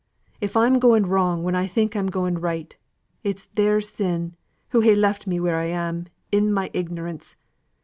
If I'm going wrong when I think I'm going right, it's their sin, who ha' left me where I am, in my ignorance.